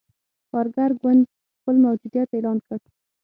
کارګر ګوند خپل موجودیت اعلان کړ.